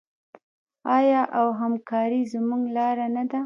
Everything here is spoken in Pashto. آیا او همکاري زموږ لاره نه ده؟